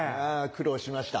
苦労しました。